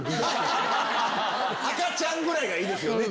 赤ちゃんぐらいがいいですよね。